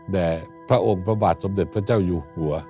พระองค์พระบาทสมเด็จพระเจ้าอยู่หัว